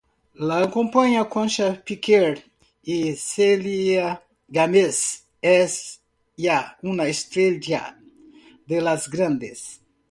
La acompañan Concha Piquer y Celia Gámez: es ya una estrella de las grandes.